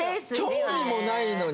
興味もないのに。